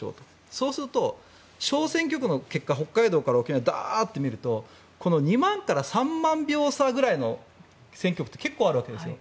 そうすると、小選挙区の結果を北海道から沖縄ダーッと見ると２万から３万票差くらいの選挙区って結構、あるわけですよ。